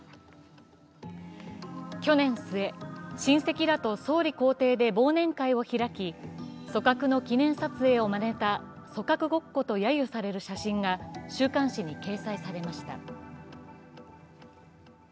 去年末、親戚らと総理公邸で忘年会を開き、組閣の記念撮影をまねた組閣ごっことやゆされる写真が週刊誌に掲載されました。